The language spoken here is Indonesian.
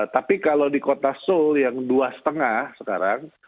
tapi kalau di kota seoul yang dua lima sekarang